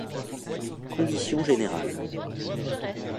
Conditions générales.